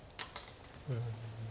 うん。